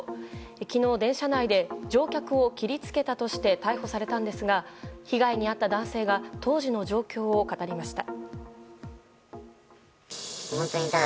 昨日、電車内で乗客を切りつけたとして逮捕されたんですが被害に遭った男性が当時の状況を語りました。